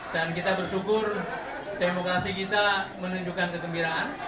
dan kita bersyukur demokrasi kita menunjukkan kegembiraan